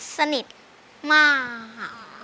สนิทมาก